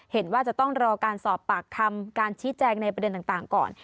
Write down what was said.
เห็นว่าจะต้องรอการสอบปากคำการชี้แจงในประเด็นต่างก่อน